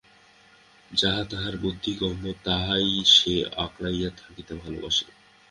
যাহা তাহার বুদ্ধিগম্য, তাহাই সে আঁকড়াইয়া থাকিতে ভালবাসে।